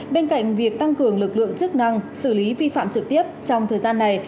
bên cạnh việc tăng cường lực lượng chức năng xử lý vi phạm trực tiếp trong thời gian này